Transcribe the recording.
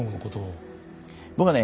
僕はね